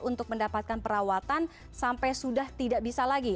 untuk mendapatkan perawatan sampai sudah tidak bisa lagi